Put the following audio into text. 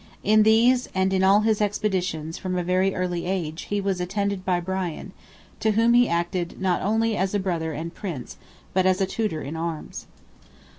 In these, and all his expeditions, from a very early age, he was attended by Brian, to whom he acted not only as a brother and prince, but as a tutor in arms.